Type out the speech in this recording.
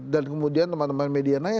dan kemudian teman teman media nanya